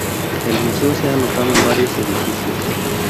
El museo se ha alojado en varios edificios.